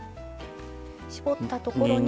絞ったところに。